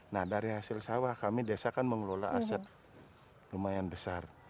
nah dari hasil sawah kami desa kan mengelola aset lumayan besar